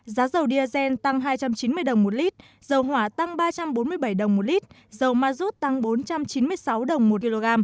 giá dầu diazen tăng hai trăm chín mươi đồng một lít dầu hỏa tăng ba trăm bốn mươi bảy đồng một lít dầu ma rút tăng bốn trăm chín mươi sáu đồng một kg